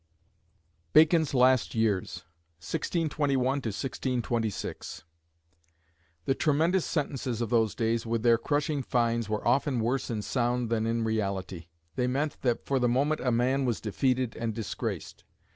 BACON'S LAST YEARS. [1621 1626.] The tremendous sentences of those days, with their crushing fines, were often worse in sound than in reality. They meant that for the moment a man was defeated and disgraced.